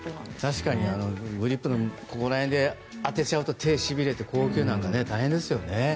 確かにグリップのここら辺で当てちゃうと手、しびれて硬球なんか大変ですよね。